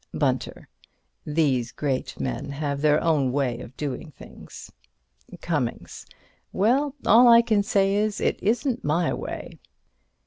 Bunter: These great men have their own way of doing things. Cummings: Well, all I can say is, it isn't my way.